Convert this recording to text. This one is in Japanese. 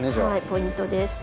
ポイントです。